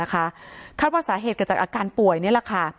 คาดว่าสาเหตุเกิดจากอาการป่วยนี่แหละค่ะ